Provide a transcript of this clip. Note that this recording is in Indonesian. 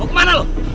lu kemana lu